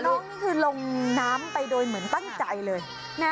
นี่คือลงน้ำไปโดยเหมือนตั้งใจเลยนะ